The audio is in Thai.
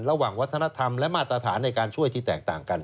ระหว่างวัฒนธรรมและมาตรฐานในการช่วยที่แตกต่างกัน